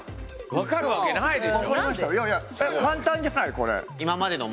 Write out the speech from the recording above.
分かるわけないでしょ